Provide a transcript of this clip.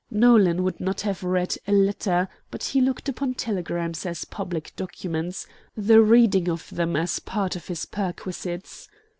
Nolan would not have read a letter, but he looked upon telegrams as public documents, the reading of them as part of his perquisites.